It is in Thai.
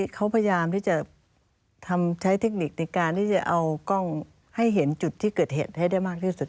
เขาพยายามที่จะใช้เทคนิคในการที่จะเอากล้องให้เห็นจุดที่เกิดเหตุให้ได้มากที่สุด